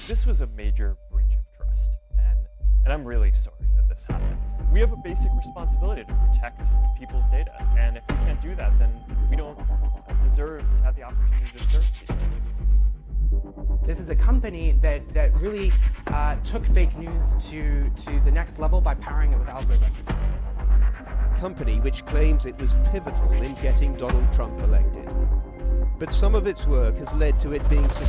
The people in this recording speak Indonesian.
ini adalah perusahaan yang benar benar menyebabkan berita palsu ke tahap berikutnya dengan menggunakan algoritma